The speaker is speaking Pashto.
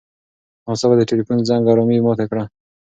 ناڅاپه د تیلیفون زنګ ارامي ماته کړه.